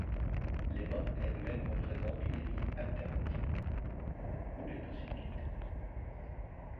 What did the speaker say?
Les mains elles-mêmes représentent les vies alternatives ou les possibilités.